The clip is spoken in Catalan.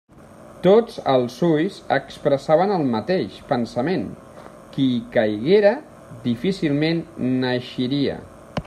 Tots els ulls expressaven el mateix pensament: qui hi caiguera, difícilment n'eixiria.